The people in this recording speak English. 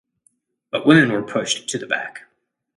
But women were pushed to the back.